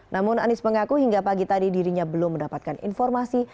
namun anies mengaku hingga pagi tadi dirinya belum mendapatkan informasi